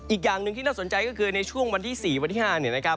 อีกอย่างหนึ่งที่น่าสนใจก็คือในช่วงวันที่๔วันที่๕เนี่ยนะครับ